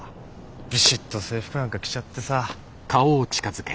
ビシッと制服なんか着ちゃってさ。